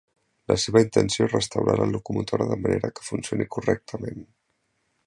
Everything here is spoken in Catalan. La seva intenció és restaurar la locomotora de manera que funcioni correctament.